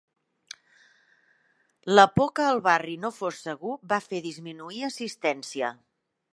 La por que el barri no fos segur va fer disminuir assistència.